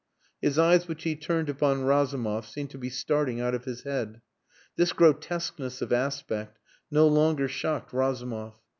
His eyes which he turned upon Razumov seemed to be starting out of his head. This grotesqueness of aspect no longer shocked Razumov.